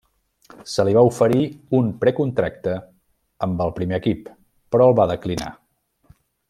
Se li va oferir un precontracte amb el primer equip, però el va declinar.